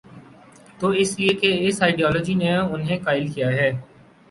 تو اس لیے کہ اس آئیڈیالوجی نے انہیں قائل کیا ہے۔